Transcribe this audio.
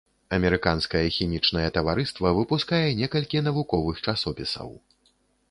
Амерыканскае хімічнае таварыства выпускае некалькі навуковых часопісаў.